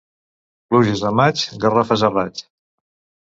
Pluges de maig, garrofes a raig.